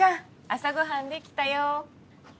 朝ご飯できたよ。